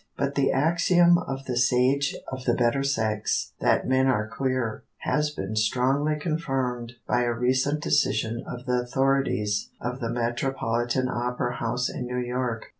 But the axiom of the sage of the better sex, that men are queer, has been strongly confirmed by a recent decision of the authorities of the Metropolitan Opera house in New York.